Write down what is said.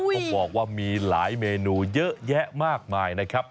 เขาบอกว่ามีหลายเมนูเยอะแยะมากมายนะครับ